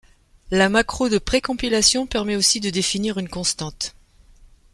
La macro de précompilation permet aussi de définir une constante.